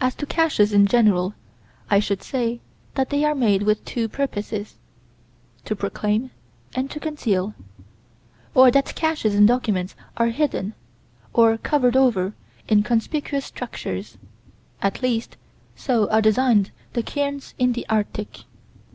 As to caches in general, I should say that they are made with two purposes: to proclaim and to conceal; or that caches documents are hidden, or covered over, in conspicuous structures; at least, so are designed the cairns in the Arctic.